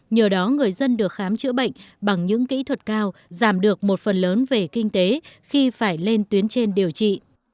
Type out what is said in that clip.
nhờ đó người dân được khám chữa bệnh bằng những kỹ thuật cao giảm được một phần lớn về kinh tế khi phải lên tuyến trên điều trị